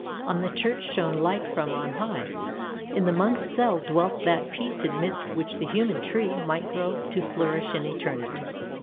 On the Church shone light from on high; in the monk's cell dwelt that peace amidst which the human tree might grow to flourish in eternity.